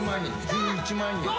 １１万円。